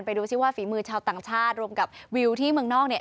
ดูสิว่าฝีมือชาวต่างชาติรวมกับวิวที่เมืองนอกเนี่ย